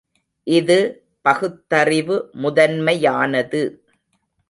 இது பகுத்தறிவு முதன்மையானது.